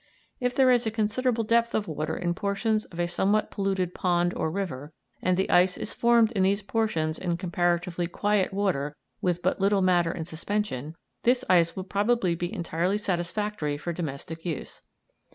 If there is a considerable depth of water in portions of a somewhat polluted pond or river, and the ice is formed in these portions in comparatively quiet water with but little matter in suspension, this ice will probably be entirely satisfactory for domestic use.